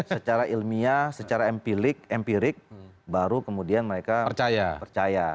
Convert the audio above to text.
secara ilmiah secara empirik baru kemudian mereka percaya